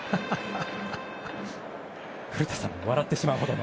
古田さんも笑ってしまうほどの。